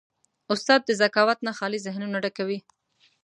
استاد د ذکاوت نه خالي ذهنونه ډکوي.